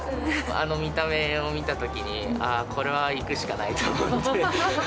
あの見た目を見たときに、ああ、これは行くしかないと思って。